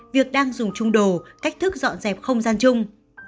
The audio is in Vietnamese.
việc đang dùng trung đồ cách thức dọn dẹp không gian chung